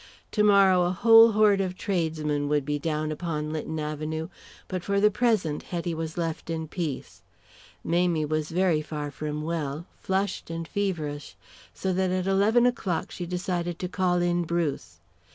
Tomorrow a whole hoard of tradesmen would be down upon Lytton Avenue, but for the present Hetty was left in peace. Mamie was very far from well, flushed and feverish, so that at eleven o'clock she decided to call in Bruce.